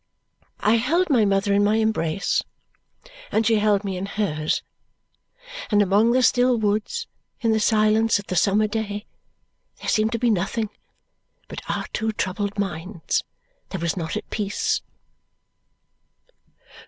I held my mother in my embrace, and she held me in hers, and among the still woods in the silence of the summer day there seemed to be nothing but our two troubled minds that was not at peace.